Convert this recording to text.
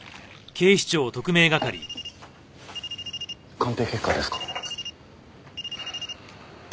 鑑定結果ですか？